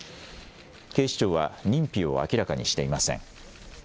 警視庁は認否を明らかにしていません。